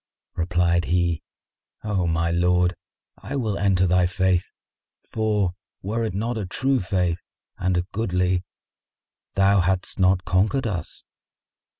Replied he, "O my lord, I will enter thy faith; for, were it not a true Faith and a goodly, thou hadst not conquered us.